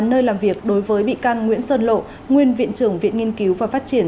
nơi làm việc đối với bị can nguyễn sơn lộ nguyên viện trưởng viện nghiên cứu và phát triển